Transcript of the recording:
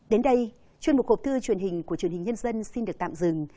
đến đây chuyên mục hộp thư truyền hình của truyền hình nhân dân xin được tạm dừng